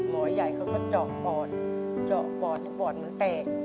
หมอใหญ่เขาก็เจาะปอดเจาะปอดแล้วปอดมันแตก